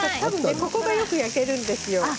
ここがよく焼けるんですよ。